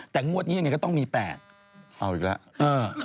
แตะโง่ดนี้ก็ต้องมี๘เอ้าอีกแล้ว